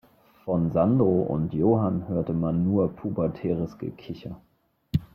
Von Sandro und Johann hörte man nur pubertäres Gekicher.